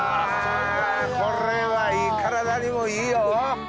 これは体にもいいよ！